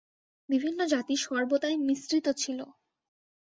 বিভিন্ন জাতি সর্বদাই মিশ্রিত ছিল।